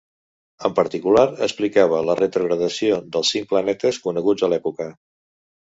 En particular explicava la retrogradació dels cinc planetes coneguts a l'època.